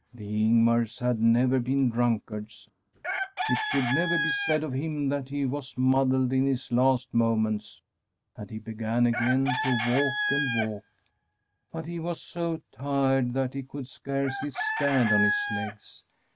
The Ingmars had never been drunkards. It should never be said of him that he was muddled in his last moments. And he be gan again to walk and walk ; but he was so tired that he could scarcely stand on his legs.